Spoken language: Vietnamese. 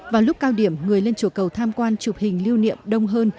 vào lúc cao điểm người lên chùa cầu tham quan chụp hình lưu niệm đông hơn